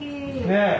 ねえ。